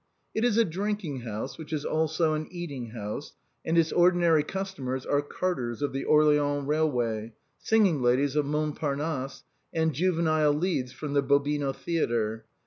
It is a drinking house which is also an eating house, and its ordinary customers are carters of the Orleans railway, singing ladies of Mont Parnasse, and juvenile " leads " from the Bobino theatre.